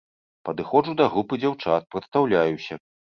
Падыходжу да групы дзяўчат, прадстаўляюся.